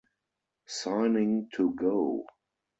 Signing to Go!